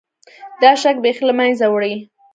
دا شک بیخي له منځه وړي.